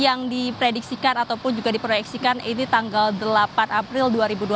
yang diprediksikan ataupun juga diproyeksikan ini tanggal delapan april dua ribu dua puluh